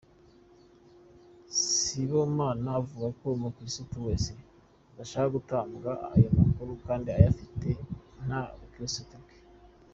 Sibomana avuga ko umukirisitu wese udashaka gutanga ayo makuru kandi ayafite nta bukirisitu bwe.